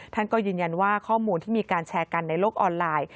ท่านก็ยืนยันว่าข้อมูลที่มีการแชร์กันในโลกออนไลน์